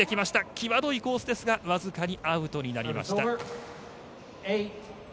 際どいコースですがわずかにアウトになりました。